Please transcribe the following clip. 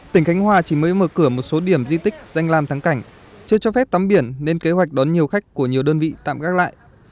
tỉnh khánh hòa chỉ mới mở cửa một số điểm di tích danh làm thắng cảnh chưa cho phép tắm biển nên kế hoạch đón nhiều khách của nhiều đơn vị tạm gác lại